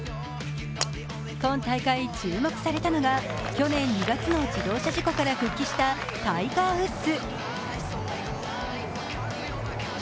今大会注目されたのが去年２月の自動車事故から復帰したタイガー・ウッズ。